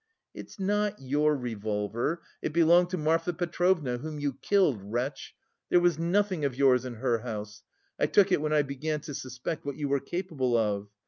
"It's not your revolver, it belonged to Marfa Petrovna, whom you killed, wretch! There was nothing of yours in her house. I took it when I began to suspect what you were capable of.